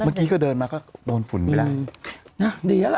เมื่อกี๊ก็เดินมาก็โดนฝนไปแล้ว